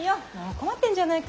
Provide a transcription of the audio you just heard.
困ってんじゃないか。